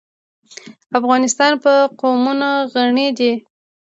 افغانستان په قومونه غني دی.